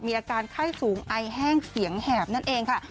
อาการไข้สูงไอแห้งเสียงแหบนั่นเองค่ะ